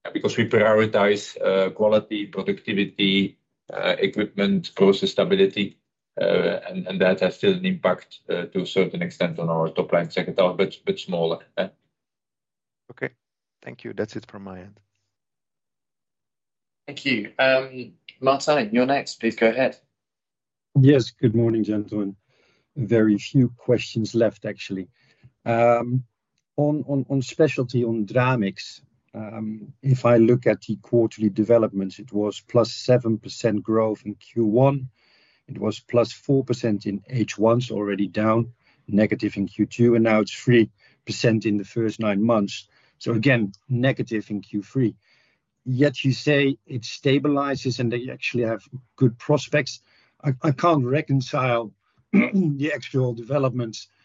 impacting because we prioritize quality, productivity, equipment, process stability. And that has still an impact to a certain extent on our top line second half, but smaller. Okay. Thank you. That's it from my end. Thank you. Martijn, you're next. Please go ahead. Yes. Good morning, gentlemen. Very few questions left, actually. On specialty on Dramix, if I look at the quarterly developments, it was plus 7% growth in Q1. It was plus 4% in H1, so already down, negative in Q2, and now it's 3% in the first nine months. So again, negative in Q3. Yet you say it stabilizes and they actually have good prospects. I can't reconcile the actual developments with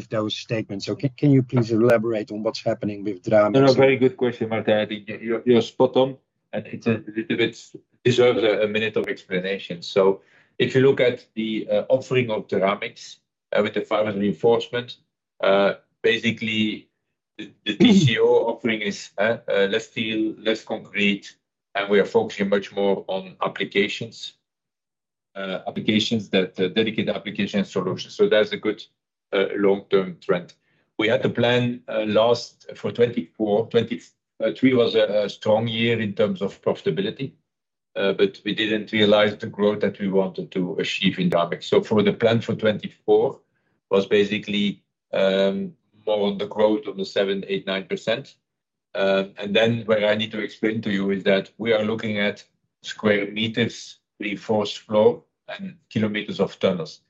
those statements. So can you please elaborate on what's happening with Dramix? No, no. Very good question, Martijn. You're spot on, and it's a little bit deserves a minute of explanation. So if you look at the offering of Dramix with the fiber reinforcement, basically the TCO offering is less steel, less concrete, and we are focusing much more on applications, dedicated application solutions. So that's a good long-term trend. We had a plan last for 2024. 2023 was a strong year in terms of profitability, but we didn't realize the growth that we wanted to achieve in Dramix. So for the plan for 2024, it was basically more on the growth of the 7%-9%. And then what I need to explain to you is that we are looking at square meters, reinforced floor, and kilometers of tunnels.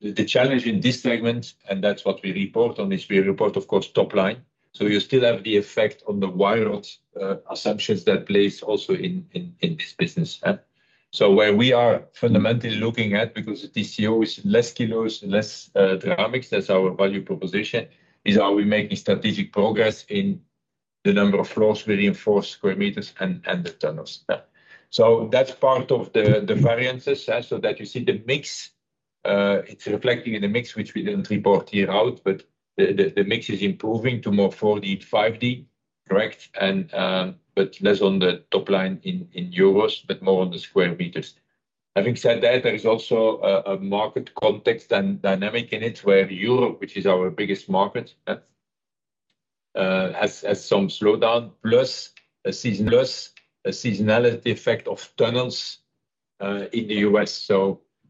The challenge in this segment, and that's what we report on, is we report, of course, top line. You still have the effect on the wire rod assumptions that play also in this business. Where we are fundamentally looking at, because the TCO is less kilos and less Dramix, that's our value proposition, is are we making strategic progress in the number of floors we reinforce, square meters, and the tunnels. That's part of the variances. So that you see the mix, it's reflecting in the mix, which we didn't report here, but the mix is improving to more 4D, 5D, correct? But less on the top line in euros, but more on the square meters. Having said that, there is also a market context and dynamic in it where Europe, which is our biggest market, has some slowdown plus seasonality. Plus a seasonality effect of tunnels in the U.S.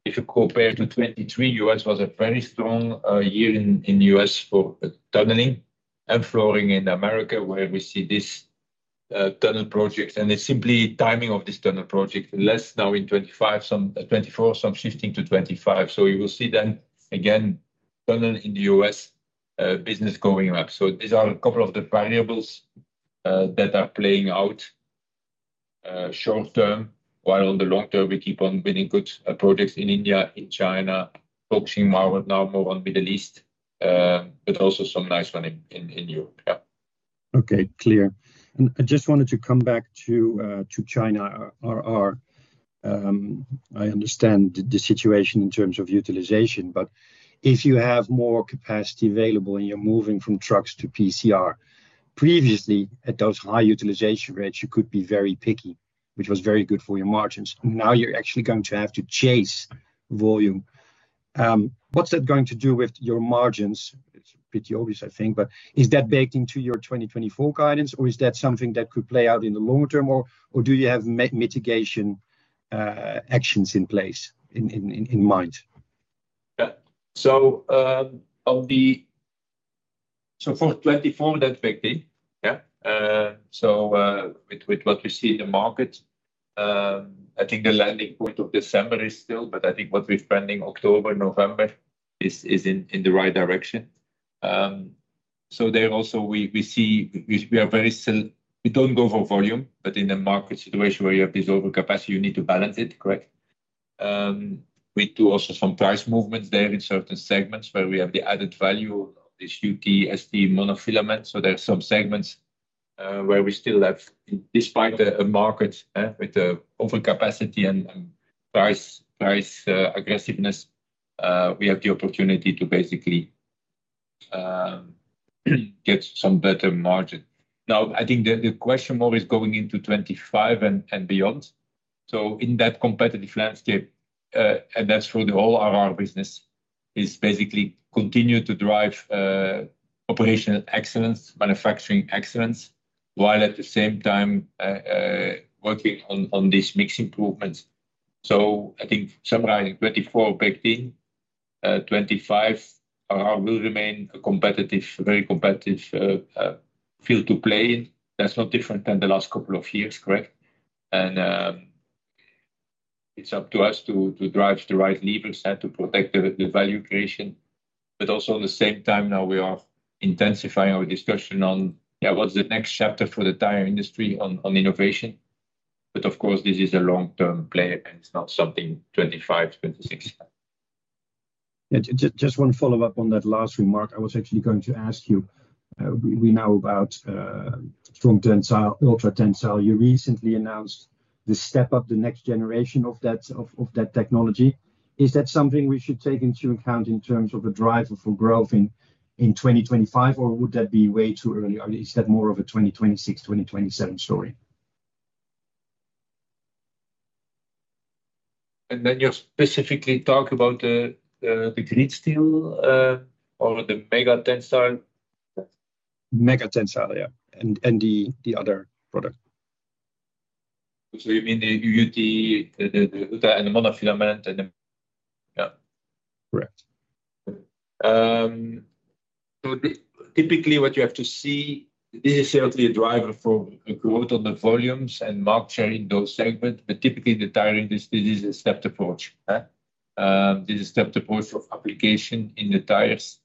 If you compare to 2023, the U.S. was a very strong year in the U.S. for tunneling and flooring in America where we see this tunnel project. And it's simply timing of this tunnel project, less now in 2024, some shifting to 2025. So you will see then again tunnel in the U.S. business going up. So these are a couple of the variables that are playing out short term, while on the long term, we keep on winning good projects in India, in China, focusing now more on the Middle East, but also some nice one in Europe. Okay. Clear. And I just wanted to come back to China, RR. I understand the situation in terms of utilization, but if you have more capacity available and you're moving from trucks to PCR, previously at those high utilization rates, you could be very picky, which was very good for your margins. Now you're actually going to have to chase volume. What's that going to do with your margins? It's pretty obvious, I think, but is that baked into your 2024 guidance, or is that something that could play out in the longer term, or do you have mitigation actions in place in mind? Yeah. So for 2024, that's picky. Yeah. So with what we see in the market, I think the landing point of December is still, but I think what we're seeing October, November is in the right direction. So there also, we see we are very still. We don't go for volume, but in a market situation where you have this overcapacity, you need to balance it, correct? We do also some price movements there in certain segments where we have the added value of this UT/ST monofilament. So there are some segments where we still have, despite a market with overcapacity and price aggressiveness, we have the opportunity to basically get some better margin. Now, I think the question more is going into 2025 and beyond. So in that competitive landscape, and that's for the whole RR business, is basically continue to drive operational excellence, manufacturing excellence, while at the same time working on these mix improvements. So I think summarizing 2024, 2015, 2025, RR will remain a very competitive field to play in. That's not different than the last couple of years, correct, and it's up to us to drive the right levers and to protect the value creation, but also at the same time, now we are intensifying our discussion on, yeah, what's the next chapter for the tire industry on innovation. But of course, this is a long-term play and it's not something 2025, 2026. Just one follow-up on that last remark. I was actually going to ask you now about Ultra Tensile. You recently announced the step up, the next generation of that technology. Is that something we should take into account in terms of a driver for growth in 2025, or would that be way too early? Is that more of a 2026, 2027 story? You specifically talk about the green steel or the Mega Tensile? Mega Tensile, yeah, and the other product. So you mean the UT, the Huta, and the monofilament? Correct. Typically what you have to see, this is certainly a driver for growth on the volumes and market share in those segments. But typically in the tire industry, this is a stepped approach. This is a stepped approach of application in the tires.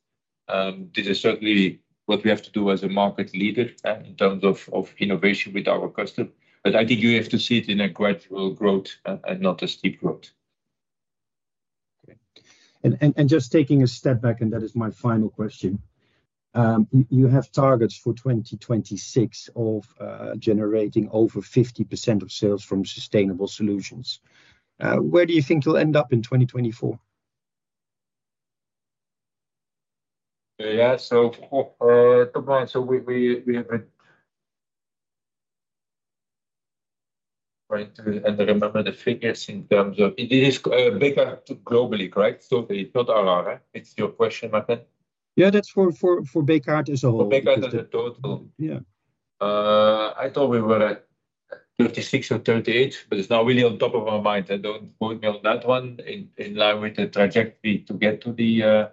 This is certainly what we have to do as a market leader in terms of innovation with our customers. But I think you have to see it in a gradual growth and not a steep growth. Okay. And just taking a step back, and that is my final question. You have targets for 2026 of generating over 50% of sales from sustainable solutions. Where do you think you'll end up in 2024? Yeah. So a couple of months, so we have a trying to remember the figures in terms of this is Bekaert globally, correct? So it's not RR, right? It's your question, Martijn? Yeah, that's for Bekaert as a whole. For Bekaert as a total. Yeah. I thought we were at 36 or 38, but it's not really on top of our minds, and don't quote me on that one in line with the trajectory to get to the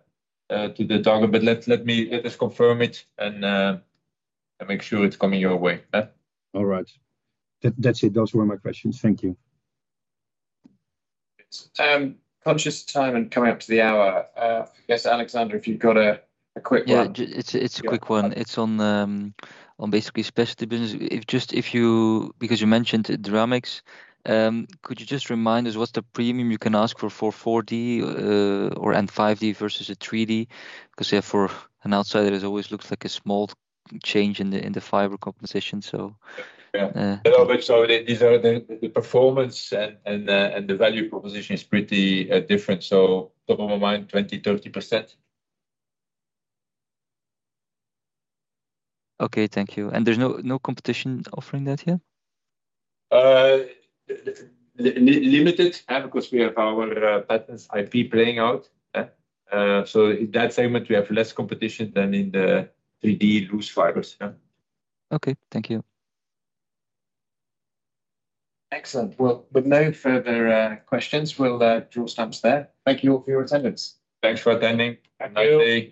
target, but let us confirm it and make sure it's coming your way. All right. That's it. Those were my questions. Thank you. to time and coming up to the hour. I guess, Alexander, if you've got a quick one. Yeah, it's a quick one. It's on basically specialty business. Just because you mentioned Dramix, could you just remind us what's the premium you can ask for for 4D and 5D versus a 3D? Because for an outsider, it always looks like a small change in the fiber composition, so. Yeah. A little bit. So the performance and the value proposition is pretty different. So top of my mind, 20%-30%. Okay. Thank you, and there's no competition offering that here? Limited, yeah, because we have our patents IP playing out. So in that segment, we have less competition than in the 3D loose fibers. Okay. Thank you. Excellent. Well, with no further questions, we'll draw stumps there. Thank you all for your attendance. Thanks for attending. Thank you. And nice.